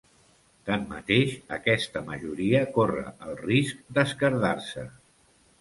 Tanmateix, aquesta majoria corre el risc d’esquerdar-se.